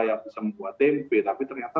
yang bisa membuat tempe tapi ternyata